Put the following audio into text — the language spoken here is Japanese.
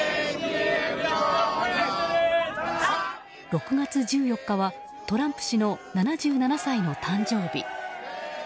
６月１４日はトランプ氏の７７歳の誕生日。